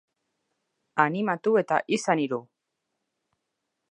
Animatu eta izan hiru!